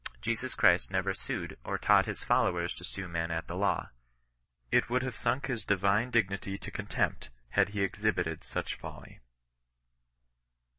Jesus Christ never sued, or taught his followers to sue men at the law. It would have sunk his divine dignity to contempt, had he exhibited such folly.